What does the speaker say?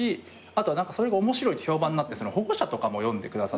あとはそれが面白いって評判になって保護者とかも読んでくださって。